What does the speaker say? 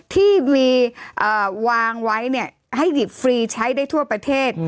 ที่มีวางไว้ให้หยิบฟรีใช้ได้ทั่วประเทศ